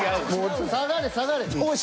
下がれ下がれ。